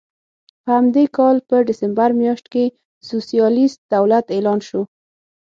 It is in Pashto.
په همدې کال په ډسمبر میاشت کې سوسیالېست دولت اعلان شو.